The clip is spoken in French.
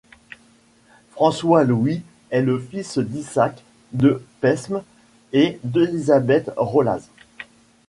François-Louis est le fils d'Isaac de Pesme et d'Elisabeth Rolaz.